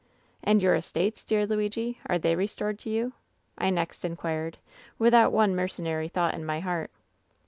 " ^And your estates, dear Luigi, Are they restored to you V I next inquired, without one mercenary thought in my hoart.